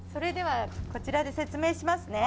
それではこちらで説明しますね。